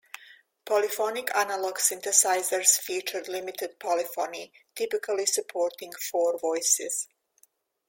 Polyphonic analog synthesizers featured limited polyphony, typically supporting four voices.